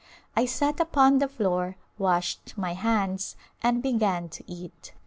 I sat upon the floor, washed my hands and began to eat.